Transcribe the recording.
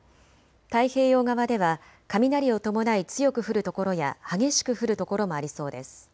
太平洋側では雷を伴い強く降る所や激しく降る所もありそうです。